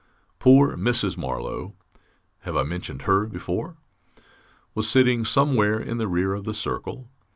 Poor Mrs. Marlow (have I mentioned her before?) was sitting somewhere in the rear of the circle.